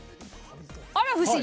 あら不思議。